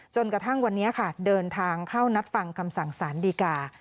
จนกระทั่งวันนี้ค่ะเดินทางเข้านัดฟังคำสั่งสารดีกา